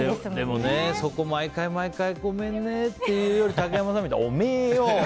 でもね、そこを毎回毎回ごめんねって言うより竹山さんみたいに、おめえよ！